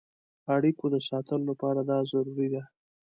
اړیکو د ساتلو لپاره دا ضروري ده.